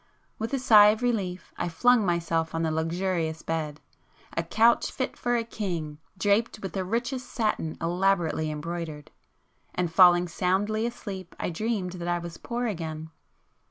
With a sigh of relief I flung myself on the luxurious bed,—a couch fit for a king, draped with the richest satin elaborately embroidered,—and falling soundly asleep I dreamed that I was poor again.